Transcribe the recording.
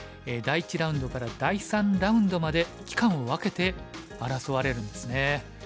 第１ラウンドから第３ラウンドまで期間を分けて争われるんですね。